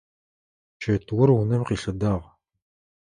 Чэтыур унэм къилъэдагъ.